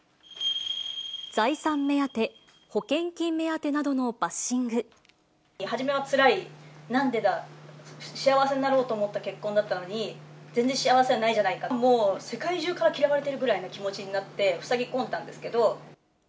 財産目当て、初めはつらい、なんでだ、幸せになろうと思った結婚だったのに、全然幸せじゃないじゃないかと、もう世界中から嫌われてるぐらいな気持ちになって、ふさぎこんでたんですけど。